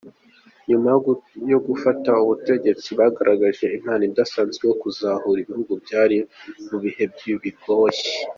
Nyuma yo gufata ubutegetsi bagaragaje impano idasanzwe yo kuzahura ibihugu byari mu bihe bigoye.